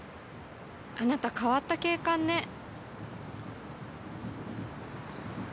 あなた変わった警官ね。